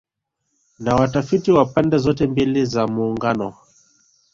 na watafiti wa pande zote mbili za Muungano